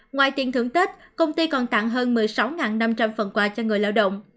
ngoài tiền thưởng tết công ty còn tặng hơn một mươi sáu năm trăm linh phần quà cho người lao động